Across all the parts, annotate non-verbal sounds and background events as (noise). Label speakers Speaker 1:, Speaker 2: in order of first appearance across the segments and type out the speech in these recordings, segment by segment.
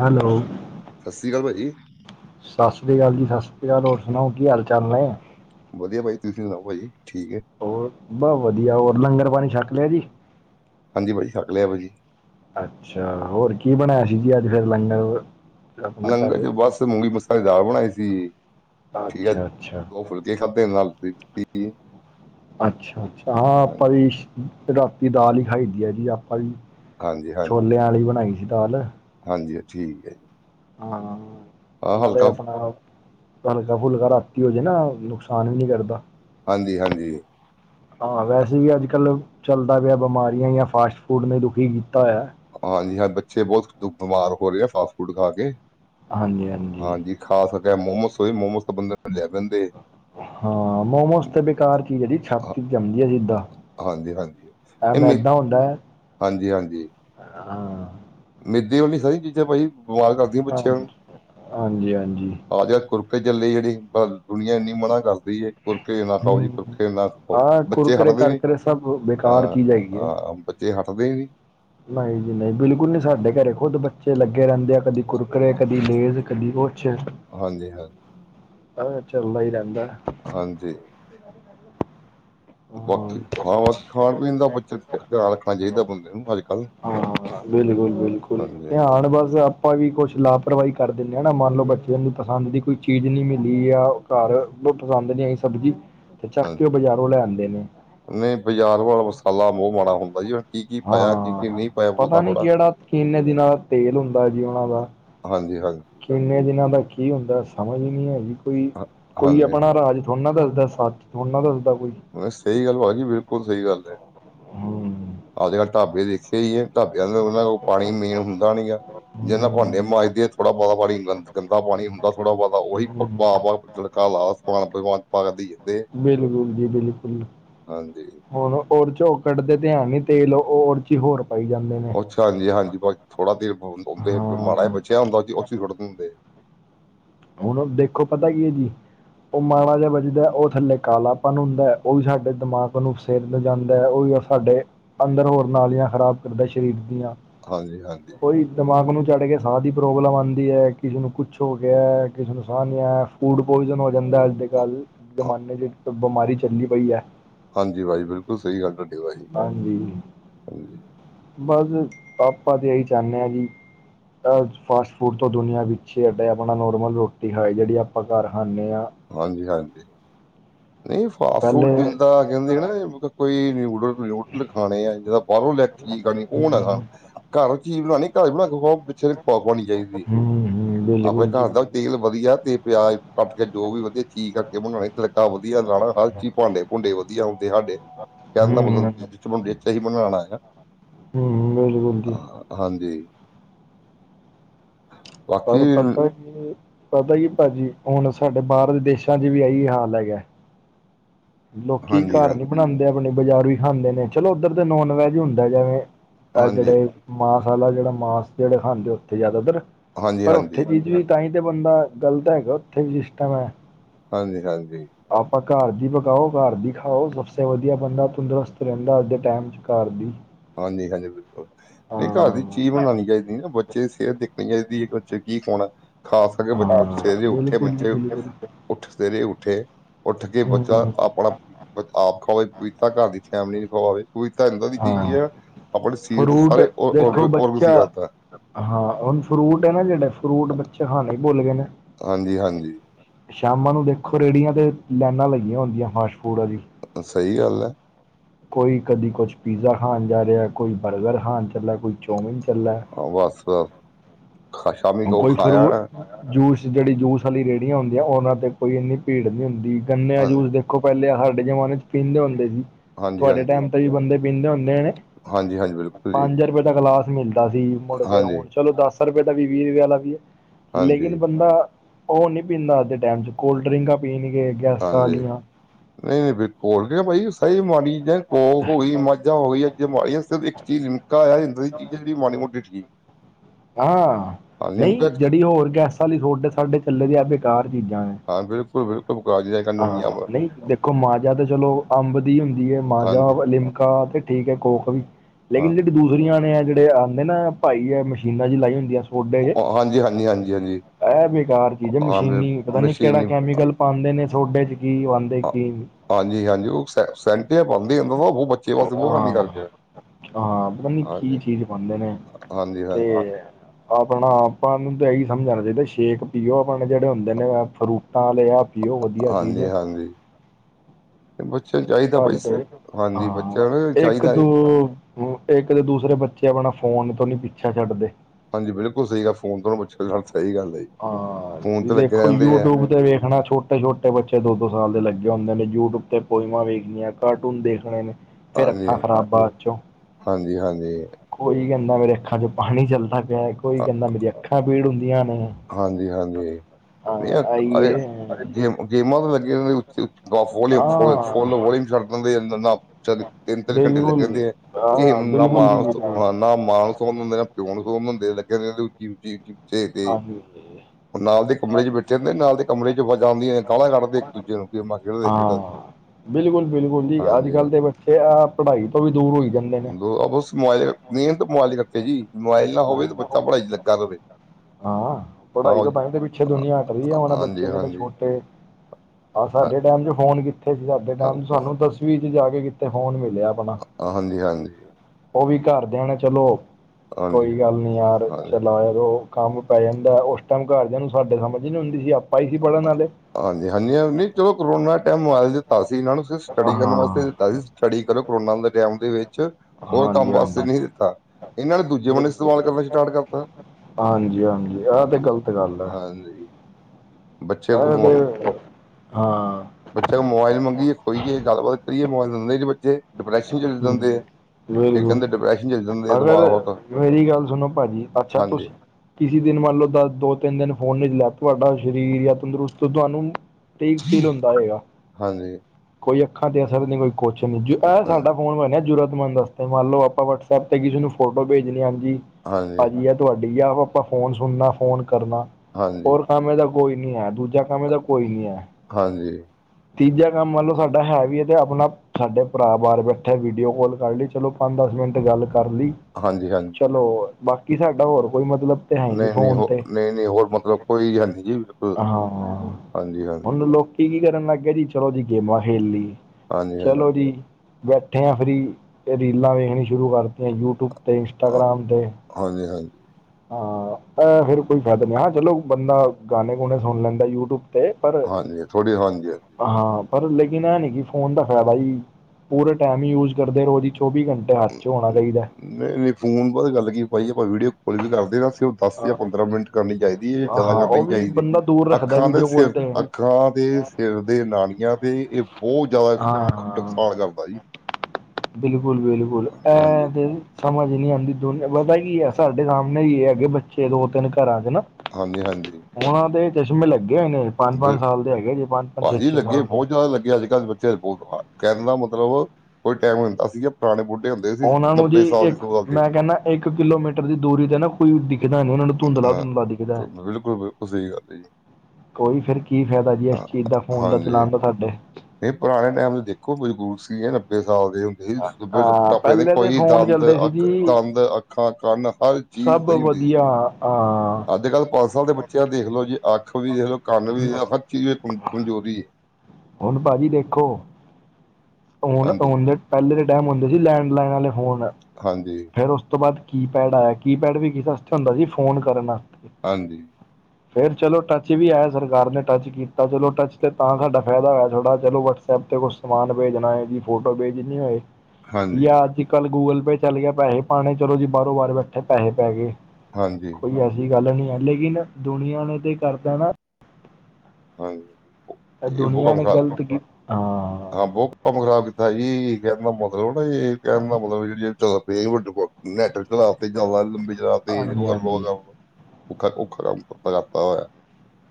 Speaker 1: Hello.
Speaker 2: ਸਤਿ ਸ੍ਰੀਅਕਾਲ ਭਾੱਜੀ।
Speaker 1: ਸਤਿ ਸ਼੍ਰੀ ਅਕਾਲ ਜੀ, ਸਤਿ ਸ਼੍ਰੀ ਅਕਾਲ। ਹੋਰ ਸੁਣਾਓ ਕੀ ਹਾਲ ਚਾਲ ਨੇ?
Speaker 2: ਵਧੀਆ ਭਾਜੀ, ਤੁਸੀ ਸੁਣਾਓ ਭਾਜੀ ਠੀਕ ਏ?
Speaker 1: ਹੋਰ, ਬਸ ਵਧੀਆ। ਹੋਰ ਲੰਗਰ ਪਾਨੀ ਛੱਕ ਲਿਆ ਜੀ?
Speaker 2: ਹਾਂਜੀ ਭਾੱਜੀ ਛਕ ਲਿਆ ਭਾੱਜੀ।
Speaker 1: ਅੱਛਾ, ਹੋਰ ਕੀ ਬਣਾਇਆ ਸੀ ਜੀ ਅੱਜ ਫੇਰ ਲੰਗਰ ਆਪਣਾ
Speaker 2: ਲੰਗਰ
Speaker 1: ਘਰੇ
Speaker 2: ਚ ਬਸ ਮੂੰਗੀ ਮਸਰਾ ਦੀ ਦਾਲ ਬਨਾਈ ਸੀ ਠੀਕ ਹੈ
Speaker 1: ਅੱਛਾ ਅੱਛਾ
Speaker 2: ਦੋ ਫੁਲਕੇ ਖਾਂਦੇ ਨੇ ਨਾਲ (unintelligible)
Speaker 1: ਅੱਛਾ, ਅੱਛਾ ਹਾਂ ਆਪਾਂ
Speaker 2: ਹਾਂਜੀ
Speaker 1: ਵੀ ਰਾਤੀ ਦਾਲ ਹੀ ਖਾਈ ਦੀ ਹੈ ਜੀ ਆਪਾਂ ਵੀ
Speaker 2: ਹਾਂਜੀ ਹਾਂਜੀ
Speaker 1: ਛੋਲੇਆਂ ਆਲੀ ਬਨਾਈ ਸੀ ਦਾਲ
Speaker 2: ਹਾਂਜੀ, ਠੀਕ ਏ।
Speaker 1: ਹਾਂ ਨਾਲੇ ਅਪਨਾ ਕਨਕ ਦਾ ਫੁਲਕਾ ਰਾਤੀ ਹੋਜੇ ਨਾ ਨੁਕਸਾਨ ਵੀ ਨੀ ਕਰਦਾ।
Speaker 2: ਹਾਂਜੀ-ਹਾਂਜੀ।
Speaker 1: ਹਾਂ ਵੈਸੇ ਵੀ ਅੱਜ ਕੱਲ੍ਹ ਚੱਲਦਾ ਪਿਆ ਬਿਮਾਰੀਆਂ ਆ ਫਾਸਟ ਫੂਡ ਨੇ ਦੁਖੀ ਕੀਤਾ ਹੋਇਆ।
Speaker 2: ਹਾਂਜੀ ਹਾਂ ਬੱਚੇ ਬਹੁਤ ਦੁ ਬਿਮਾਰ ਹੋ ਰਹੇ ਆ ਫਾਸਟ ਫੂਡ ਖਾ ਕੇ।
Speaker 1: ਹਾਂਜੀ-ਹਾਂਜੀ।
Speaker 2: ਹਾਂਜੀ ਖਾ ਸਕਦੇ ਆ ਮੋਮੋਸ ਹੋਏ ਮੋਮੋਸ ਤਾਂ ਬੰਦੇ ਨੂੰ ਲੈ ਪੈਂਦੇ।
Speaker 1: ਹਾਂ ਮੋਮੋਸ ਤੇ ਬੇਕਾਰ ਚੀਜ਼ ਹੈ ਜੀ ਛਾਤੀ ਜਮਦੀ ਹੈ ਜਿਦਾਂ।
Speaker 2: ਹਾਂਜੀ-ਹਾਂਜੀ।
Speaker 1: ਐ ਮੈਦਾ ਹੁੰਦੈ।
Speaker 2: ਹਾਂਜੀ-ਹਾਂਜੀ। ਮੈਦੇ ਵਾਲੀ ਸਾਰਿਆਂ ਚੀਜ਼ਾਂ ਭਾਈ ਬਿਮਾਰ ਕਰਦੀਆਂ ਬੱਚਿਆ ਨੂੰ।
Speaker 1: ਹਾਂਜੀ ਹਾਂਜੀ
Speaker 2: ਆਹ ਜ ਕੁਰਕੇ ਚੱਲੇ ਜਿਹੜੇ ਬ ਦੁਨੀਆਂ ਇੰਨੀ ਮਨਾ ਕਰਦੀ ਏ। ਕੁਰਕਰੇ ਨਾ ਖਾਓ ਜੀ
Speaker 1: ਹੂੰ
Speaker 2: ਕੁਰਕਰੇ ਨਾ ਖਾਓ
Speaker 1: ਆਹ
Speaker 2: ਬੱਚੇ
Speaker 1: ਕੁਰਕਰੇ
Speaker 2: ਹਟਦੇ ਨਹੀਂ
Speaker 1: ਕਰਕਰੇ ਸਭ ਬੇਕਾਰ ਚੀਜ਼ ਹੈਗੀ ਹੈ
Speaker 2: ਹਾਂ-ਹਾਂ ਏ ਹਟਦੇ ਹੀ ਨਹੀਂ।
Speaker 1: ਨਹੀਂ ਜੀ ਨਹੀਂ ਬਿਲਕੁਲ ਨੀ ਸਾਡੇ ਘਰੇ ਖੁੱਦ ਬੱਚੇ ਲੱਗੇ ਰਹਿੰਦੇ ਆ ਕਦੀ ਕੁਰਕਰੇ, ਕਦੀ ਲੇਜ ਕਦੀ ਕੁਛ
Speaker 2: ਹਾਂਜੀ-ਹਾਂਜੀ।
Speaker 1: ਆਹ ਚੱਲਦਾ ਹੀ ਰਹਿੰਦਾ।
Speaker 2: ਹਾਂਜੀ
Speaker 1: (inaudible) ਹਾਂ
Speaker 2: ਬਾਕੀ ਹਾਂ ਬਾਕੀ ਖਾਣ ਪੀਣ ਦਾ ਬੱਚੇ ਤੇ ਧਿਆਨ ਰੱਖਣਾ ਚਾਹੀਦਾ ਬੰਦੇ ਨੂੰ ਅੱਜ-ਕੱਲ੍ਹ।
Speaker 1: ਹਾਂ ਬਿਲਕੁਲ-ਬਿਲਕੁਲ ਧਿਆਨ ਬਸ ਆਪਾਂ ਵੀ ਕੁਛ ਲਾਪਰਵਾਹੀ ਕਰ ਦਿੰਦੇ ਹਾਂ ਨਾ ਮੰਨ ਲਓ ਬੱਚਿਆਂ ਦੀ ਪਸੰਦ ਦੀ ਕੋਈ ਚੀਜ਼ ਨਹੀਂ ਮਿਲੀ ਆ। ਘਰ ਪਸੰਦ ਨੀ ਆਈ ਸਬਜ਼ੀ ਤੇ ਚੱਕ
Speaker 2: ਹਾਂ
Speaker 1: ਕੇ ਉਹ ਬਜ਼ਾਰੋਂ ਲੈ ਆਂਦੇ ਨੇ
Speaker 2: ਨਹੀਂ ਬਾਜ਼ਾਰ ਵਾਲ ਮਸਾਲਾ ਭੋਹ ਮਾੜਾ ਹੁੰਦਾ ਜੀ। ਕੀ ਕੀ ਪਾਇਆ ਕੀ ਕੀ
Speaker 1: ਹਾਂ
Speaker 2: ਨਹੀਂ ਪਾਇਆ
Speaker 1: ਪਤਾ ਨੀ
Speaker 2: ਥੋੜਾ
Speaker 1: ਕਿਹੜਾ ਕਿੰਨੇ ਦਿਨਾਂ ਦਾ ਤੇਲ ਹੁੰਦਾ ਜੀ ਉਹਨਾਂ ਦਾ।
Speaker 2: ਹਾਂਜੀ-ਹਾਂਜੀ
Speaker 1: ਕਿੰਨੇ ਦਿਨਾਂ ਦਾ ਕੀ ਹੁੰਦਾ ਸਮਝ ਹੀ ਨਹੀਂ ਹੈਗੀ ਕੋਈ
Speaker 2: ਹਾਂ-
Speaker 1: ਕੋਈ
Speaker 2: ਹਾਂਜੀ
Speaker 1: ਆਪਣਾ ਰਾਜ ਹੁਣ ਨਾ ਦੱਸਦਾ ਸੱਚ ਹੁਣ ਨਾ ਦੱਸਦਾ ਕੋਈ
Speaker 2: ਵੈਸੇ ਸਹੀ ਗੱਲ ਭਾਜੀ ਬਿਲਕੁ ਸਹੀ ਗੱਲ ਹੈ।
Speaker 1: ਹੂੰ
Speaker 2: ਅੱਜ-ਕੱਲ ਢਾਬੇ ਦੇਖੇ ਹੀਏ ਢਾਬਿਆਂ ਦੇ ਉਹਨਾਂ ਕੋਲ ਪਾਣੀ ਮੇਨ ਹੁੰਦਾ ਨੀ ਆ। ਜਿਹਨਾ ਭਾਂਡੇ
Speaker 1: ਹੂੰ
Speaker 2: ਮਾਂਜਦੇ ਥੋੜਾ ਬਹੁਤਾ ਵਣੀ (unintelligible) ਗੰਦ ਗੰਦਾ ਪਾਣੀ ਹੁੰਦਾ ਥੋੜ੍ਹਾ ਬਹੁਤਾ ਉਹੀ
Speaker 1: ਹੂੰ
Speaker 2: ਵਾਹ-ਵਾਹ ਤੜਕਾ ਲਾ ਸਵਾਦ (unintelligible) ਵਗ ਪਾਕੇਦਈ ਜਾਂਦੇ।
Speaker 1: ਬਿਲਕੁਲ ਜੀ ਬਿਲਕੁਲ
Speaker 2: ਹਾਂਜੀ
Speaker 1: ਹੋਰ ਔਰ ਚੋ ਕੱਢਦੇ ਤੇ ਹੈ ਨ ਤੇਲ ਉਹ ਔਰਚੀ ਹੋਰ ਪਾਈ ਜਾਂਦੇ ਨੇ।
Speaker 2: ਹਾਂਜੀ-ਹਾਂਜੀ ਭਾਜੀ ਥੋੜਾ ਤੇਲ ਪੋਦੇ ਮਾੜਾ
Speaker 1: ਹਾਂ
Speaker 2: ਬਚਿਆ ਹੁੰਦਾ ਸੀ ਉਥੇ ਸੁੱਟ ਦਿੰਦੇ।
Speaker 1: ਹੁਣ ਦੇਖੋ ਪਤਾ ਕੀ ਹੈ ਜੀ ਉਹ ਮਾੜਾ ਜਿਹਾ ਵੱਜਦਾ ਉਹ ਥੱਲੇ ਕਾਲਾਪਨ ਹੁੰਦਾ ਹੈ ਉਹ ਵੀ ਸਾਡੇ ਦਿਮਾਗ ਨੂੰ ਰੇਲ ਅਦਰ ਜਾਂਦੈ ਉਹਹੀ ਸਾਡੇ ਅੰਦਰ ਹੋਰ ਨਾਲੀਆਂ ਖ਼ਰਾਬ ਕਰਦਾ ਸਰੀਰ ਦੀਆਂ।
Speaker 2: ਹਾਂਜੀ-ਹਾਂਜੀ
Speaker 1: ਕੋਈ ਦਿਮਾਗ ਨੂੰ ਚੜ੍ਹ ਕੇ ਸਾਹ ਦੀ ਪ੍ਰੋਬਲਮ ਆਉਂਦੀ ਹੈ ਕਿਸੇ ਨੂੰ ਕੁਛ ਹੋ ਗਿਆ ਕਿਸੇ ਨੂੰ ਸਾਹ ਨਹੀਂ ਆਇਆ। ਫੂਡ ਪੋਇਜ਼ਨ ਹੋ ਜਾਂਦਾ ਅੱਜ-ਕੱਲ
Speaker 2: ਹਾਂ-
Speaker 1: ਜ਼ਮਾਨੇ ਚ ਬਿਮਾਰੀ ਚੱਲੀ ਪਈ ਹੈ।
Speaker 2: ਹਾਂਜੀ ਭਾਜੀ ਬਿਲਕੁਲ ਸਹੀ ਗੱਲ ਤੁਹਾਡੀ ਭਾਜੀ।
Speaker 1: ਹਾਂਜੀ ਬਸ ਆਪਾ ਤੇ ਇਹੀ ਚਾਹੁੰਦੇ ਹਾਂ ਜੀ। ਐ ਫਾਸਟ ਫੂਡ ਤੋਂ ਦੁਨੀਆਂ ਪਿਛੇ ਹਟੇ ਆਪਣਾ ਨੋਰਮਲ ਰੌਟੀ ਰੋਟੀ ਹਾਏ ਜੇੜੀ ਆਪਾਂ ਘਰ ਖਾਂਨੇ ਆਂ।
Speaker 2: ਹਾਂਜੀ ਹਾਂਜੀ ਨਈ ਫਾਸਟ
Speaker 1: ਪਹਿਲੇ
Speaker 2: ਫੂਡ ਜਿੱਦਾਂ ਕੈਂਦੇ ਨਾ- ਕੋਈ ਨਿਊਡਲ ਨਿਊਡਲ ਖਾਣੇ ਆ, ਜਿਦਾ ਬਾਰੋਂ ਲੈ ਕੇ ਚੀਜ ਖਾਣੀ,
Speaker 1: ਹਮ,
Speaker 2: ਓ ਨਾ ਖਾ। ਘਰ ਚੀਜ਼ ਬਣਾਣੀ ਘਰ ਬਣਾ ਕੇ ਖਾਓ ਪਿੱਛੇ (unintelligible) ਹੋਣੀ ਚਾਈਦੀ।
Speaker 1: ਹਮ, ਹਮ,
Speaker 2: ਆਪਣੇ
Speaker 1: ਬਿਲਕੁਲ ਜੀ
Speaker 2: ਘਰ ਦਾ-
Speaker 1: ਬਿਲਕੁਲ
Speaker 2: ਤੇਲ ਵਧੀਆ ਤੇ ਪਿਆਜ ਕੱਟ ਕੇ ਜੋ ਵੀ ਵਧੀਆ ਚੀਜ ਕਰਕੇ ਬਣਾਣੀ ਤੜਕਾ ਵਧੀਆ ਲਾਣਾ। ਹਰ ਚੀਜ਼ ਭਾਂਡੇ ਭੂੰਡੇ ਵਧੀਆ ਹੁੰਦੇ ਹਾਡੇ। ਕੈਣ ਦਾ
Speaker 1: ਹਮ,
Speaker 2: ਮਲਬ
Speaker 1: ਹਮ,
Speaker 2: ਜਿਸ ਇਚ ਬਨਦੇ ਸਈ ਬਨਾਣਾ ਐ।
Speaker 1: ਹੂੰਅ (unintelligible)
Speaker 2: ਆ ਹਾਂਜੀ। ਬਾਕੀ
Speaker 1: ਪਰ ਪਤਾ ਕੀ- ਪਤਾ ਕੀ ਭਾਜੀ, ਹੁਣ ਸਾਡੇ ਬਾਰ ਦੇ ਦੇਸਾਂ 'ਚ ਵੀ ਐਈ ਹਾਲ ਹੈਗਾ। ਲੋਕੀ
Speaker 2: ਹਾਂਜੀ
Speaker 1: ਘਰ
Speaker 2: ਹਾਂ-
Speaker 1: ਨੀ ਬਣਾਂਦੇ ਆਪਣੇ ਬਜ਼ਾਰੋਂ ਈ ਖਾਂਦੇ ਨੇ। ਚਲੋ ਓਧਰ ਦਾ ਨੋਨ ਵੈਜ ਹੁੰਦਾ ਜਾ ਏ। ਤਾਂ
Speaker 2: ਹਾਂਜੀ
Speaker 1: ਜੜੇ ਮਾਸ ਆਲਾ ਜੜਾ ਮਾਸ ਜੜੇ ਖਾਂਦੇ ਓਥੇ ਜਾਦਾਤਰ।
Speaker 2: ਹਾਂਜੀ
Speaker 1: ਪਰ ਓਥੇ
Speaker 2: ਹਾਂਜੀ
Speaker 1: ਵੀ ਜੀ- ਤਾਂਈਂ ਤੇ ਬੰਦਾ ਗ਼ਲਤ ਹੈਗਾ, ਓਥੇ ਵੀ ਸਿਸਟਮ ਐ।
Speaker 2: ਹਾਂਜੀ- ਹਾਂਜੀ।
Speaker 1: ਆਪਾਂ ਘਰ ਦੀ ਬਰ ਖਾਓ ਘਰ ਦੀ ਖਾਓ ਸਬਸੇ ਵਧੀਆ ਬੰਦਾ ਤੰਦਰੁਸਤ ਰਹਿੰਦਾ ਅੱਜ ਦੇ ਟੈਮ ਚ ਘਰ ਦੀ।
Speaker 2: ਹਾਂਜੀ-ਹਾਂਜੀ ਬਿਲਕੁਲ, ਨਈ ਘਰ
Speaker 1: ਹਾਂ
Speaker 2: ਦੀ ਚੀਜ਼ ਬਣਾਣੀ ਚਾਹੀਦੀ ਨਾ ਬ ਬੱਚੇ ਦੀ ਸਿਹਤ ਦੇਖਣੀ ਚਾਹੀਦੀ ਹੈ ਬੱਚੇ ਕੀ ਖਵਾਉਣਾ, ਖ਼ਾ ਸ਼ਕਦੇ ਬੱਚਪਨ
Speaker 1: ਹਾਂ
Speaker 2: ਸਵੇਰੇ ਉੱਠੇ
Speaker 1: ਬਿਲਕੁਲ ਜੀ
Speaker 2: ਬੱਚੇ
Speaker 1: ਬਿਲਕੁਲ
Speaker 2: ਉੱਠ ਸਵੇਰੇ ਉੱਠੇ, ਉੱਠ ਕੇ ਬੱਚਾ
Speaker 1: ਹਮ,
Speaker 2: ਆਪਣਾ। ਆਪ ਖਾਵੇ ਪਪੀਤਾ, ਘਰ ਦੀ ਫੈਮਿਲੀ ਨੂੰ ਖਵਾਵੇ ਪਪੀਤਾ।
Speaker 1: ਹਾਂ
Speaker 2: ਇਅਰ, ਆਪਣੇ ਸਰੀਰ ਦੇ
Speaker 1: ਫਰੂਟ
Speaker 2: ਸਾਰੇ ਉ ਔਰ
Speaker 1: ਦੇਖੋ
Speaker 2: ਓਰੇਗਨ ਉਰਗਸੀ
Speaker 1: ਬੱਚਾ
Speaker 2: ਕਰਦਾ ਆ।
Speaker 1: ਹਾਂ ਹੁਣ ਫਰੂਟ ਹੈ ਨਾ ਜੇਡਾ, ਫਰੂਟ ਬੱਚੇ ਖਾਣਾ ਹੀ ਭੁੱਲ ਗੇ ਨੇ।
Speaker 2: ਹਾਂਜੀ-ਹਾਂਜੀ।
Speaker 1: ਸ਼ਾਮਾਂ ਨੂੰ ਦੇਖੋ ਰੇਹੜੀਆਂ ਤੇ ਲਾਈਨਾਂ ਲੱਗੀਆਂ ਹੁੰਦੀਆਂ, ਫਾਸਟ ਫੂਡਾਂ ਵਾਲੀ।
Speaker 2: ਏਹ ਸਹੀ ਗੱਲ ਆ।
Speaker 1: ਕੋਈ ਕਦੀ ਕੁਛ ਪੀਜ਼ਾ ਖਾਣ ਜਾ ਰਿਹਾ ਕੋਈ ਬਰਗਰ ਖਾਣ ਚੱਲਾ ਕੁਛ ਚੋਮਿਨ ਚਲੈ
Speaker 2: ਬਸ ਸ਼ਾਮੀ ਕੋ
Speaker 1: ਕੋਈ
Speaker 2: ਖਾਇਆ
Speaker 1: ਫਰੂਟ।
Speaker 2: ਨਾ
Speaker 1: ਜੂਸ, ਜਿਹੜੀ ਜੂਸ ਵਾਲੀ ਰੇਹੜੀਆਂ ਹੁੰਦੀਆਂ ਉਹਨਾਂ ਤੇ ਕੋਈ ਇੰਨੀ ਭੀੜ ਨਹੀਂ ਹੁੰਦੀ ਗੰਨੇ ਦਾ
Speaker 2: ਹਾਂਜੀ,
Speaker 1: ਜੂਸ ਦੇ ਦੇਖੋ ਪੈਲੇ ਹਾਡੇ ਜ਼ਮਾਨੇ 'ਚ ਪੀਂਦੇ ਹੁੰਦੇ ਸੀ।
Speaker 2: ਹਾਂਜੀ,
Speaker 1: ਤੁਆਡੇ ਟੈਮ
Speaker 2: ਹਾਂਜੀ,
Speaker 1: ਤੇ ਵੀ ਬੰਦੇ ਪੀਂਦੇ ਹੁੰਦੇ ਨੇ।
Speaker 2: ਹਾਂਜੀ, ਹਾਂਜੀ ਬਿਲਕੁਲ ਜੀ
Speaker 1: ਪੰਜ ਰੁਪਏ ਦਾ ਗਲਾਸ ਮਿਲਦਾ ਸੀ। ਮੁੜ ਕੇ
Speaker 2: ਹਾਂਜੀ,
Speaker 1: ਹੁਣ ਚਲੋ ਦੱਸ- ਸੱਤਰ ਰੁਪਏ ਦਾ, ਵੀ- ਵੀ ਰੁਪਏ ਆਲਾ ਵੀ ਏ। ਲੇਕਿਨ
Speaker 2: ਹਾਂਜੀ,
Speaker 1: ਬੰਦਾ- ਓ ਨੀ ਪੀਂਦਾ ਅੱਜ ਦੇ ਟਾਈਮ 'ਚ, ਕੋਲਡ ਡਰਿੰਕਾਂ ਪੀਣਗੇ। ਗੈਸਾਂ
Speaker 2: ਹਾਂਜੀ
Speaker 1: ਵਾਲੀਆਂ
Speaker 2: ਨਈ ਬਈ ਕੋਲਡਿੰਕਾਂ ਬਾਈ ਸਾਈਆ ਮਾੜੀਆ- ਯਾਰ ਕੋੋਕ ਹੋ ਗੀ, ਮਾਝਾਂ ਹੋ ਗੀ। ਅੱਜ ਏ ਮਾਰੀਆਂ ਸਿਰਫ ਇੱਕ ਚੀਜ਼- ਘਾ ਹਿੰਦੋਂ ਚੀਜ ਜੇੜੀ ਮਾੜੀ ਮੋਟੀ ਠੀਕ।
Speaker 1: ਹਾਂ
Speaker 2: ਹਾਂ
Speaker 1: ਨਈ
Speaker 2: ਲਿਮਕਾ
Speaker 1: ਜੜੀ ਹੋਰ ਗੈਸਾਂ ਲਈ ਸੋਡੇ -ਸਾਡੇ ਚੱਲੇ ਦੇ ਆ ਬੇਕਾਰ ਚੀਜ਼ਾਂ ਨੇ।
Speaker 2: ਹਾਂ ਬਿਲਕੁਲ ਬਿਲਕੁਲ ਬਕਾਰ (unintelligible)
Speaker 1: ਨਈ ਦੇਖੋ ਮਾਜਾ ਤੇ ਚਲੋ ਅੰਬ ਦੀ ਹੁੰਦੀ ਏ, ਮਾਜਾ,
Speaker 2: ਹਾਂਜੀ
Speaker 1: ਲਿਮਕਾ ਤੇ ਠੀਕ ਏ ਕੋਕ ਵੀ।
Speaker 2: ਹਾਂ
Speaker 1: ਲੇਕਿਨ ਜੜੀ ਦੂਸਰੀਆਂ ਨੇ ਆ ਜੜੇ ਆਂਦੇ ਨਾ ਭਾਈ, ਐ ਮਸ਼ੀਨਾਂ ਜੀ ਲਾਈ ਹੁੰਦੀਆਂ। ਸੋਡੇ।
Speaker 2: ਹਾਂਜੀ ਹਾਂਜੀ ਹਾਂਜੀ ਹਾਂਜੀ
Speaker 1: ਐ ਬੇਕਾਰ ਚੀਜ਼ ਏ
Speaker 2: ਹਾਂ
Speaker 1: ਮਸ਼ੀਨੀ ਪਤਾ ਨੀ ਕੇੜਾ
Speaker 2: ਮਸ਼ੀਨੀ
Speaker 1: ਕੈਮੀਕਲ- ਪਾਂਦੇ ਨੇ ਸੋਡੇ 'ਚ ਕੀ, ਪਾਂਦੇ ਕੀ ਨੀ।
Speaker 2: ਹਾਂਜੀ ਹਾਂਜੀ ਓ ਸੈਂਟ ਜਿਆ ਪਾਂਦੇ, ਓ ਬੱਚੇ ਵਾਸੇ ਬੋ
Speaker 1: ਹਾਂ
Speaker 2: ਹਾਨੀਕਾਰਕ ਆ।
Speaker 1: ਹਾਂ ਪਤਾ ਨੀ ਕੀ ਚੀਜ਼ ਪਾਂਦੇ ਨੇ।
Speaker 2: ਹਾਂਜੀ ਹਾਂਜੀ
Speaker 1: ਤੇ- ਆਪਣਾ ਆਪਾਂ ਨੂੰ ਤਾਂ ਏਈ ਸਮਝਾਣਾ ਚਾਈਦਾ, ਸ਼ੇਕ ਪੀਓ ਆਪਣੇ ਜੜੇ ਹੁੰਦੇ ਨੇ ਫਰੂਟਾਂ ਆਲੇ ਆ। ਪੀਓ ਵਧੀਆ ਚੀਜ਼ ਏ।
Speaker 2: ਬੱਚੇ ਨੂੰ ਚਾਈ-
Speaker 1: (unintelligible) ਹਾਂ ਇੱਕ
Speaker 2: ਚਾਹੀਦਾ
Speaker 1: ਦੋ- ਹ ਇੱਕ ਤੇ ਦੂਸਰੇ ਬੱਚੇ ਆਪਣਾ ਫੋਨ ਤੋਂ ਨੀ ਪਿੱਛਾ ਛੱਡਦੇ।
Speaker 2: ਹਾਂਜੀ ਬਿਲਕੁਲ ਸਈ ਆ ਫੋਨ (unintelligible) ਸਈ ਗੱਲ ਏ।
Speaker 1: ਆ ਵੀ ਦੇਖੋ ਯੂਟਿਊਬ ਤੇ ਵੇਖਣਾ ਛੋਟ- ਛਟੇ ਛੋਟੇ ਬੱਚੇ ਦੋ- ਦੋ ਸਾਲ ਦੇ ਲੱਗੇ ਹੁੰਦੇ ਨੇ। ਯੂਟਿਊਬ ਤੇ ਪੋਇਮਾਂ ਵੇਖਣੀਆਂ, ਕਾਰਟੂਨ ਦੇਖਣੇ ਨੇ। ਫੇਰ
Speaker 2: ਹਾਂਜੀ,
Speaker 1: ਅੱਖਾਂ ਖ਼ਰਾਬ ਬਾਦ 'ਚੋਂ।
Speaker 2: ਹਾਂਜੀ-ਹਾਂਜੀ,
Speaker 1: ਕੋਈ ਕੈਂਦਾ ਮੇਰੇ ਅੱਖਾਂ 'ਚੋਂ ਪਾਣੀ ਚੱਲਦਾ ਪਿਆ, ਕੋਈ ਕੈਂਦਾ ਮੇਰੀਆਂ ਅੱਖਾਂ ਪੀੜ ਹੁੰਦੀਆਂ ਨੇ।
Speaker 2: ਹਾਂਜੀ ਹਾਂ-
Speaker 1: ਹਾਂ ਆਈਏ
Speaker 2: (unintelligible) ਫੁਲ
Speaker 1: ਹਾਂ
Speaker 2: ਵੋਲੀਅਮ ਸੱਡ ਦਿੰਦੇ ਨ ਨਾ- ਚਰ ਤਿੰਨ- ਤਿੰਨ ਘੰਟੇ ਲੱਗ ਰੈਂਦੇ
Speaker 1: ਬਿਲਕੁਲ
Speaker 2: ਆ।
Speaker 1: ਹਾਂ
Speaker 2: (unintelligible) ਨਾ ਮਾਂ
Speaker 1: ਬਿਲਕੁਲ ਜੀ ਬਿਲਕੁਲ।
Speaker 2: ਨੂੰ ਸੋਣ ਦਿੰਦੇ ਨਾ ਪਿਓ ਨੂੰ ਸੋਣ ਦਿੰਦੇ। ਲੱਗੇ ਰੈਂਦੇ ਉਚੀ-ਉਚੀ-ਉਚੀ।
Speaker 1: ਹਾਂਜੀ ਜੀ।
Speaker 2: ਨਾਲ ਦੇ ਕਮਰੇ 'ਚ ਬੈਠੇ ਹੁੰਦੇ, ਨਾਲ ਦੇ ਕਮਰੇ 'ਚੋ ਵਾਜਾਂ ਆਂਦੀਆਂ। ਗਾਲਾਂ ਕੱਢਦੇ ਇੱਕ ਦੂਜੇ ਨੂੰ, ਗੇਮਾਂ ਖੇਡਦੇ ਖੇਡਦੇ।
Speaker 1: ਬਿਲਕੁਲ ਬਿਲਕੁਲ ਜੀ ਅੱਜ
Speaker 2: ਹਾਂਜੀ
Speaker 1: ਕੱਲ੍ਹ ਦੇ ਬੱਚੇ, ਐ ਪੜ੍ਹਾਈ ਤੋਂ ਵੀ ਦੂਰ ਹੋਈ ਜਾਂਦੇ ਨੇ।
Speaker 2: ਅ ਬਸ ਮੋਬਾਇਲ ਮੇਨ ਤਾ ਮੋਬਾਇਲ ਕਰਕੇ ਜੀ ਮੋਬਾਇਲ ਨਾ ਹੋਵੇ ਤੇ ਬੱਚਾ ਪੜ੍ਹਾਈ ਚ ਲੱਗਾ ਰਵੇ।
Speaker 1: ਹਾਂ
Speaker 2: ਹਾਂ
Speaker 1: ਪੜ੍ਹਾਈ ਤੋਂ
Speaker 2: ਉਹ-
Speaker 1: ਤਾਈ ਤਾ ਪਿੱਛੇ ਦੁਨੀਆਂ ਹੱਟ ਰਹੀ ਆ
Speaker 2: ਹਾਂ-
Speaker 1: ਉਹਨਾਂ
Speaker 2: ਹਾਂਜੀ
Speaker 1: ਬੱਚੇ ਜਿਹੜੇ
Speaker 2: ਹਾਂਜੀ
Speaker 1: ਛੋਟੇ ਆਹ ਸਾਡੇ ਟਾਈਮ ਚ ਫੋਨ ਕਿੱਥ ਸੀ ਸਾਡੇ ਟਾਈਮ ਚ
Speaker 2: ਹਾਂ-
Speaker 1: ਸਾਨੂੰ ਦਸਵੀਂ ਚ ਜਾ ਕੇ ਕਿੱਥੇ ਫੋਨ ਮਿਲਿਆ। ਆਪਣਾ।
Speaker 2: ਹਾਂਜੀ ਹਾਂਜੀ।
Speaker 1: ਉਹ ਵੀ ਘਰਦਿਆਂ ਨੇ ਚਲੋ,
Speaker 2: ਹਾਂਜੀ ਹਾਂਜੀ
Speaker 1: ਕੋਈ ਗੱਲ ਨੀ ਯਾਰ
Speaker 2: ਹਾਂਜੀ
Speaker 1: ਚਲਾ ਦੋ। ਕੰਮ ਪੈ ਜਾਂਦਾ ਉਸ ਟਾਈਮ ਘਰਦਿਆਂ ਨੂੰ ਸਾਡੇ ਸਮਝ ਨੀ ਹੁੰਦੀ ਸੀ ਆਪਾਂ ਹੀ ਸੀ ਪੜ੍ਹਨ ਵਾਲੇ।
Speaker 2: ਹਾਂਜੀ ਹਾਂਜੀ ਨ ਚਲੋ ਕੋਰੋਨਾ ਟਾਈਮ ਮੋਬਾਇਲ ਦਿੱਤਾ ਸੀ ਇਹਨਾਂ ਨੂੰ ਸਟੱਡੀ ਕਰਨ ਵਾਸਤੇ
Speaker 1: ਹਾਂ,
Speaker 2: ਦਿੱਤਾ ਸੀ। ਸਟੱਡੀ ਕਰੋ ਕਰੋਨਾ ਦੇ ਟਾਈਮ ਦੇ ਵਿੱਚ, ਹੋਰ ਕੰਮ ਵਾਸਤੇ
Speaker 1: ਹਾਂਜੀ-ਹਾਂਜੀ।
Speaker 2: ਨੀ ਦਿੱਤਾ। ਇਹਨਾਂ ਨੇ ਦੂਜੇ ਬੰਨੇ ਇਸਤੇਮਾਲ ਕਰਨਾ ਸਟਾਰਟ ਕਰਤਾ।
Speaker 1: ਹਾਂਜੀ-ਹਾਂਜੀ ਆਹ ਤੇ
Speaker 2: ਹਾਂਜੀ
Speaker 1: ਗ਼ਲਤ
Speaker 2: ਹਾਂਜੀ। ਬੱਚੇ
Speaker 1: ਉਹੀ ਤੇ, ਹਾਂ।
Speaker 2: ਬੱਚਾ ਮੋਬਾਇਲ ਮੰਗਗੀਏ ਖੋਈਏ ਗੱਲਬਾਤ ਕਰੀਏ ਮੋਬਾਇਲ ਦਿੰਦੇ ਨੀ ਬੱਚੇ ਡਿਪ੍ਰੈਸ਼ਨ ਚਲੇ
Speaker 1: ਹੂੰ
Speaker 2: ਜਾਂਦੇ ਐ।
Speaker 1: ਬਿਲਕੁਲ, ਅਗਰ
Speaker 2: ਉਹ ਤਾਂ
Speaker 1: ਮੇਰੀ ਗੱਲ ਸੁਣੋ ਭਾਜੀ ਅੱਛਾ ਤੁਸੀਂ
Speaker 2: ਹਾਂਜੀ
Speaker 1: ਕਿਸੇ ਦਿਨ ਮੰਨ ਲਓ ਦ ਦੋ -ਤਿੰਨ ਦਿਨ ਫੋਨ ਨੀ ਚਲਾਇਆ, ਤੁਹਾਡਾ ਸਰੀਰ ਜਾਂ ਤੰਦਰੁਸਤ ਤੁਹਾਨੂੰ ਠੀਕ-ਠੀਕ ਰੈਦਾ ਹੋਏਗਾ।
Speaker 2: ਹਾਂਜੀ
Speaker 1: ਕੋਈ ਅੱਖਾਂ ਤੇ ਅਸਰ ਨੀ ਕੋਈ ਕੁਛ ਨੀ, ਆਹ
Speaker 2: ਹਾਂਜੀ
Speaker 1: ਸਾਡਾ ਫੋਨ ਆ ਨਾ ਜ਼ਰੂਰਤ ਮੰਦ ਵਾਸਤੇ ਮੰਨ ਲਓ ਆਪਾਂ ਵਟਸਐਪ ਤੇ ਕਿਸੇ ਨੂੰ ਫੋਟੋ ਭੇਜਨੀ ਹਾਂਜੀ।
Speaker 2: ਹਾਂਜੀ
Speaker 1: ਭਾਜੀ ਤੁਹਾਡੀ ਆਪ ਆਪਾਂ ਫੋਨ ਸੁਣਨਾ ਫੋਨ ਕਰਨਾ।
Speaker 2: ਹਾਂਜੀ
Speaker 1: ਹੋਰ ਕੰਮ ਇਹ ਦਾ ਕੋਈ ਨੀ ਐ, ਦੂਜਾ ਕੰਮ ਇਹਦਾ ਕੋਈ ਨੀ ਐ।
Speaker 2: ਹਾਂਜੀ
Speaker 1: ਤੀਜਾ ਕੰਮ ਮੰਨ ਲਓ ਸਾਡਾ ਹੈ ਵੀ ਹੈ ਤੇ ਆਪਣਾ ਸਾਡੇ ਭਰਾ ਬਾਹਰ ਬੈਠਿਆ ਵੀਡੀਓ ਕਾਲ ਕਰ ਲਈ ਚਲੋ ਪੰਜ- ਦਸ ਮਿੰਟ ਗੱਲ ਕਰ ਲੀ।
Speaker 2: ਹਾਂਜੀ ਹਾਂਜੀ।
Speaker 1: ਚਲੋ ਬਾਕੀ ਸਾਡਾ ਹੋਰ ਕੋਈ ਮਤਲਬ ਤੇ ਹੈ
Speaker 2: ਨਹੀਂ ਨਹੀਂ
Speaker 1: ਫੋਨ
Speaker 2: ਹੋ
Speaker 1: ਤੇ
Speaker 2: ਨਹੀਂ ਨਹੀਂ ਹੋਰ ਮਤਲਬ ਕੋਈ ਹੈਨ ਜੀ, ਬਿਲਕੁਲ ਹਾਂਜੀ ਹਾਂਜੀ।
Speaker 1: ਕੀ-ਕੀ ਕਰਨ ਲੱਗਗੇ ਜੀ ਚਲੋ ਜੀ ਗੇਮਾ ਖੇਲ ਲਈ,
Speaker 2: ਹਾਂਜੀ ਹਾਂਜੀ
Speaker 1: ਚਲੋ ਜੀ। ਬੈਠੇ ਹਾਂ ਫਰੀ ਉਹ ਰੀਲਾਂ ਵੇਖੀਆਂ ਸ਼ੁਰੂ ਕਰਤੀਆਂ ਯੂਟਿਊਬ 'ਤੇ
Speaker 2: ਹਾਂ,
Speaker 1: ਇੰਸਟਾਗ੍ਰਾਮ 'ਤੇ
Speaker 2: ਹਾਂਜੀ ਹਾਂਜੀ।
Speaker 1: ਹਾਂ ਇਹ ਫੇਰ ਕੋਈ ਫੈਦਨਾ ਹ ਚਲੋ ਬੰਦਾ ਗਾਣੇ- ਗੁਣੇ ਸੁਣ ਲੈਂਦਾ ਯੂਟਿਊਬ ਤੇ ਪਰ
Speaker 2: ਹਾਂਜੀ ਥੋੜੀ ਹਾਂਜੀ
Speaker 1: ਹਾਂ ਪਰ ਲੇਕਿਨ ਇਹ ਨੀ ਕਿ ਫੋਨ ਦਾ ਫਾਇਦਾ ਹੀ, ਪੂਰੇ ਟਾਈਮ ਹੀ ਯੂਜ ਕਰਦੇ ਰੋਜ਼ ਹੀ ਚੌਵੀ ਘੰਟੇ ਹੱਥ ਚ ਹੋਣਾ ਚਾਹੀਦਾ।
Speaker 2: ਨਈ-ਨਈ ਫੋਨ ਬੜਾ ਗੰਦਗੀ ਪਾਈ ਐ, ਪਰ ਵੀਡੀਓ ਕਰ ਦੇਣਾ ਸੀ। ਦਸ ਜਾਂ ਪੰਦਰਾਂ ਮਿੰਟ ਕਰਨੀ ਚਾਹੀਦੀ ਹੈ ਇਹ ਜ਼ਿਆਦਾ
Speaker 1: ਹਾਂ
Speaker 2: ਕਰਨੀ
Speaker 1: ਉਹ
Speaker 2: ਨੀ
Speaker 1: ਵੀ
Speaker 2: ਚਾਹੀਦੀ।
Speaker 1: ਬੰਦਾ ਦੂਰ ਰੱਖਦਾ
Speaker 2: ਅੱਖਾਂ ਤੇ
Speaker 1: ਵੀਡੀਓ ਕਾਲ
Speaker 2: ਸਿਰ ਅੱਖਾਂ ਦੇ ਸਿਰ ਦੇ ਨਾਣੀਆਂ ਤੇ ਇਹ ਬਹੁਤ ਜਿਆਦਾ
Speaker 1: ਹਾਂ
Speaker 2: ਨੁਕਸਾਨ ਕਰਦਾ ਜੀ।
Speaker 1: ਬਿਲਕੁਲ ਬਿਲਕੁਲ ਐ
Speaker 2: ਹਾਂਜੀ
Speaker 1: ਤੇ ਸਮਝ ਨੀ ਆਉਂਦੀ ਦੋਨ ਪਤਾ ਕੀ ਆ, ਸਾਡੇ ਸਾਹਮਣੇ ਈ ਹੈਗੇ ਬੱਚੇ ਦੋ ਤਿੰਨ ਘਰਾਂ ਦੇ ਨਾ।
Speaker 2: ਹਾਂਜੀ ਹਾਂਜੀ
Speaker 1: ਉਹਨਾਂ ਦੇ ਚਸ਼ਮੇ ਲੱਗੇ ਹੋਏ ਨੇ ਪੰਜ- ਪੰਜ
Speaker 2: ਬਿਲ
Speaker 1: ਸਾਲ ਦੇ ਹੈਗੇ ਜੇ ਪੰਜ -ਪੰਜ ਛੇ -ਛੇ ਸਾਲ ਦੇ
Speaker 2: ਲੱਗਿਆ ਅੱਜ-ਕੱਲ ਤੇ (unintelligible) ਖਾ ਕਹਿਣ ਦਾ ਮਤਲਬ ਕੋਈ ਟਾਈਮ ਹੁੰਦਾ ਸੀਗਾ। ਪੁਰਾਣੇ ਬੁੱਢੇ ਹੁੰਦੇ ਸੀ
Speaker 1: ਉਹਨਾਂ ਨੂੰ ਜੀ
Speaker 2: ਨੱਬੇ ਸਾਲ ਦੇ
Speaker 1: ਇੱਕ
Speaker 2: ਸੌ ਸਾਲ ਦੇ
Speaker 1: ਮੈਂ ਕਹਿੰਦਾ ਇੱਕ ਕਿਲੋਮੀਟਰ ਦੀ ਦੂਰੀ ਤੇ ਨਾ ਕੋਈ ਦਿਖਦਾ ਨੀ ਉਹਨਾਂ ਨੂੰ ਧੁੰਦਲਾ -ਧੁੰਦਲਾ ਦਿਖਦਾ।
Speaker 2: ਬਿਲਕੁਲ-ਬਿਲ ਓ ਸਈ‌ ਗੱਲ ਏ ਜੀ।
Speaker 1: ਕੋਈ ਫਿਰ ਕੀ ਫੈਦਾ ਜੀ ਐਸ ਚੀਜ਼ ਦਾ ਫੋਨ ਦਾ ਚਲਾਣ ਦਾ ਸਾਡੇ
Speaker 2: ਨਈ ਪੁਰਾਣੇ ਟੈਮ ਤੇ ਦੇਖੋ ਮਜ਼ਬੂਰ ਸੀ ਐ ਨੱਬੇ ਸਾਲ ਦੇ ਬਈ ਸੂਬੇ
Speaker 1: ਹਾਂ
Speaker 2: ਟੱਪ ਗੇ ਦੇ
Speaker 1: ਪਹਿਲੇ
Speaker 2: ਕੋਈ
Speaker 1: ਫੋਨ
Speaker 2: ਦੰਦ,
Speaker 1: ਚੱਲਦੇ ਸੀ
Speaker 2: ਅੱਖ,
Speaker 1: ਜੀ
Speaker 2: ਦੰਦ-ਅੱਖਾਂ, ਕੰਨ ਹਰ-
Speaker 1: ਸਭ ਵਧੀਆ ਆਂ
Speaker 2: ਅੱਜ-ਕੱਲ ਪੰਜ ਸਾਲ ਦੇ ਬੱਚਿਆਂ ਨੂੰ ਦੇਖ ਲੋ ਜੇ ਅੱਖ ਵੀ ਦੇਖ ਲੋ ਕੰਨ ਵੀ
Speaker 1: ਹੁਣ
Speaker 2: ਦੇਖ ਲ ਹਰ ਚੀਜ਼ ਚੱ ਕਮਜ਼ੋਰੀ ਏ।
Speaker 1: ਹੁਣ ਪਾਜੀ ਦੇਖੋ
Speaker 2: ਹਾਂਜੀ,
Speaker 1: ਹੁਣ-ਹੁਣ ਪੈਲੇ ਦੇ ਟੈਮ ਹੁੰਦੇ ਸੀ ਲੈਂਡਲਾਈਨ ਆਲੇ ਫੋਨ
Speaker 2: ਹਾਂਜੀ।
Speaker 1: ਫੇਰ ਉਸ ਤੋਂ ਬਾਦ ਕੀਪੈਡ ਆਯਾ ਕੀਪੈਡ ਵੀ ਕੀਦੇ ਆਸਤੇ ਹੁੰਦਾ ਸੀ ਫੋਨ ਕਰਨਾ।
Speaker 2: ਹਾਂਜੀ।
Speaker 1: ਫੇਰ ਚਲੋ ਟੱਚ ਵੀ ਆਯਾ ਸਰਕਾਰ ਨੇ ਟੱਚ ਕੀਤਾ ਚਲੋ ਟੱਚ ਤੇ ਤਾਂ ਸਾਡਾ ਫੈਦਾ ਹੋਇਆ। ਥੋਡਾ ਚਲੋ ਵਟਸਐਪ ਤੇ ਕੁਛ ਸਮਾਨ ਪੇਜਣਾ ਹੋਏ ਜੀ ਫੋਟੋ ਪੇਜਣੀ ਹੋਏ ਯਾਂ
Speaker 2: ਹਾਂਜੀ,
Speaker 1: ਅੱਜ ਕੱਲ ਗੂਗਲ ਪੇ ਚੱਲ ਗਯਾ ਪੈਹੇ ਪਾਣੇ ਚਲੋ ਜੀ ਬਾਰੋਂ-ਬਾਰ ਬੈਠੇ ਪੈਹੇ ਪੈ ਗਏ
Speaker 2: ਹਾਂਜੀ,
Speaker 1: ਕੋਈ ਐ ਸੀ ਗੱਲ ਨੀ ਐ ਲੇਕਿਨ ਦੁਨੀਆਂ ਨੇ ਜੇ ਕਰਤਾ ਨਾ
Speaker 2: ਹਾਂ
Speaker 1: ਐ ਦੁਨੀਆਂ ਨੇ ਗ਼ਲਤ ਕੀ ਹਾਂ
Speaker 2: ਕੰਮ ਖਰਾਬ ਕੀਤਾ ਜੀ (unintelligible) ਕੈਣ ਦਾ
Speaker 1: ਹਾਂਜੀ
Speaker 2: ਮਤਲਬ ਜੇੜੇ ਐ ਚੱਲਾਤੇ, ਵਡੇ ਨੈਟ ਚਲਾਤੇ ਜਬਾਨ ਲੰਬੀ ਚਲਾਤੀ ਗੁਗਲ ਬੋਲਦਾ ਓ
Speaker 1: ਹ
Speaker 2: ਔਖਾ-ਔਖਾ ਕੰਮ ਕਰਤਾ ਹੋਯਾ।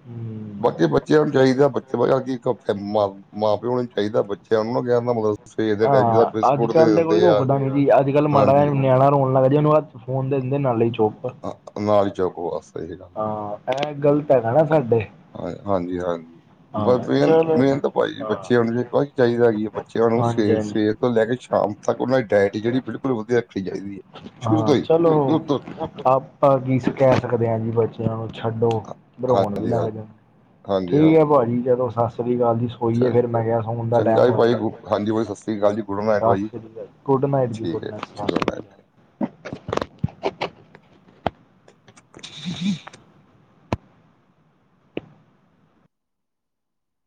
Speaker 1: ਹਮ।
Speaker 2: ਬਾਕੀ ਬੱਚਿਆਂ ਨੂੰ ਚਾਇਦਾ ਬੱਚੇ, ਇੱਕ ਮਾਂ-ਪਿਓ ਨੂੰ ਚਾਇਦਾ ਬੱਚਿਆਂ ਨੂੰ ਨਾ ਵਿਆਣ ਦਾ ਮਤਲਬ ਸਵੇਰ ਦੇ ਟਾਈਮ ਜਿਹੜਾ
Speaker 1: ਹਾਂ
Speaker 2: ਬਿਸਕੁਟ ਦੇ
Speaker 1: ਅੱਜ-ਕੱਲ ਤੇ ਕੋਈ
Speaker 2: ਦਿੰਦੇ ਆ
Speaker 1: ਰੋਕਦਾ ਨੀ ਜੀ ਅੱਜ-ਕੱਲ ਮਾੜਾ ਜੇਆ
Speaker 2: ਹਾਂਜੀ
Speaker 1: ਨਿਆਣਾ ਰੋਣ ਲੱਗ ਜੇ ਓਨੂੰ ਹ ਫੋਨ ਦਿੰਦੇ ਨਾਲੇ ਈ ਚੋਪ।
Speaker 2: ਓ ਨਾਲ ਈ ਚੌਕ ਵਾਸਤੇ ਸੀਗਾ।
Speaker 1: ਹਾਂ ਐ ਗ਼ਲਤ ਹੈਗਾ ਨਾ ਸਾਡੇ।
Speaker 2: ਹਂ ਹਾਂਜੀ-ਹਾਂ ਬਸ
Speaker 1: ਹਾਂ ਚਲੋ
Speaker 2: ਮੇਨਤ-ਮੇਨਤ ਪਾਜੀ ਬੱਚਿਆਂ ਨੂੰ ਜ ਚਾਇਦਾ ਕੀ ਏ ਬੱਚਿਆਂ ਨੂੰ
Speaker 1: ਹਾਂਜੀ ਹਾਂਜੀ
Speaker 2: ਸਵੇਰ-ਸਵੇਰ ਤੋਂ ਲੈ ਕੇ ਸ਼ਾਮ ਤੱਕ ਓਨਾਂ ਦੀ ਡਾਇਟ ਜੇੜੀ ਬਿਲਕੁਲ ਵਧੀਆ ਰੱਖੀ ਚਾਇਦੀ ਏ।
Speaker 1: ਹਾਂ ਚਲੋ ਆਪਾਂ ਕੀ, ਕੈ ਸਕਦੇ ਆਂ ਜੀ। ਬੱਚਿਆਂ ਨੂੰ ਛੱਡੋ ਰੋਣ ਵੀ
Speaker 2: ਹਾਂਜੀ ਹਾਂ
Speaker 1: ਲੱਗ ਜਾਂਦੇ
Speaker 2: ਹਾਂਜੀ
Speaker 1: ਠੀਕ ਐ
Speaker 2: ਹਾਂਜੀ
Speaker 1: ਪਾਜੀ ਜਦੋ ਸਾਸ ਸ੍ਰੀ ਕਾਲ ਜੀ ਸ ਸੋਈਏ
Speaker 2: ਚੰ-
Speaker 1: ਫਿਰ ਮੈਂ ਕੇਆ ਸੋਣ ਦਾ
Speaker 2: ਚੰਗਾ
Speaker 1: ਟੈਮ
Speaker 2: ਜੀ
Speaker 1: ਹੋਯਾ
Speaker 2: ਭਾਜੀ
Speaker 1: ਦਾ
Speaker 2: ਹਾਂਜੀ ਭਾਜੀ ਸਤਿ ਸ੍ਰੀ ਅਕਾਲ ਜੀ ਗੁਡ ਨਾਈਟ
Speaker 1: ਸਾਸ
Speaker 2: ਭਾਜੀ
Speaker 1: ਸ੍ਰੀ ਕਾਲ ਜ। ਗੁੱਡ ਨਾਈਟ ਜੀ ਗੁੱਡ
Speaker 2: ਠੀਕ ਹੈ
Speaker 1: ਨਾਈਟ
Speaker 2: ਜੀ
Speaker 1: ਸਾਸ
Speaker 2: ਗੁਡ ਨਾਈਟ
Speaker 1: ਸ੍ਰੀ ਕਾਲ। (unintelligible)